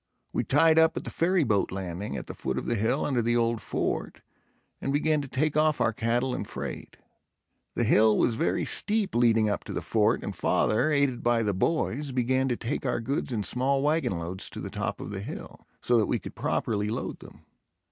We tied up at the ferry boat landing, at the foot of the hill under the old fort, and began to take off our cattle and freight. The hill was very steep leading up to the fort and father, aided by the boys, began to take our goods in small wagon loads to the top of the hill, so that we could properly load them.